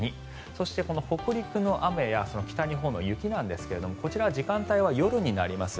そして北陸の雨や北日本の雪ですがこちらは時間帯は夜になります。